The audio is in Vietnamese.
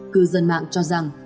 cư dân mạng cho rằng